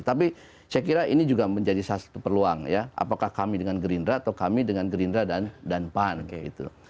tapi saya kira ini juga menjadi satu peluang ya apakah kami dengan gerindra atau kami dengan gerindra dan pan gitu